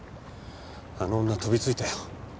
あの女飛びついたよ。